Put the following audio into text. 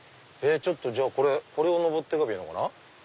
これを上ってけばいいのかな。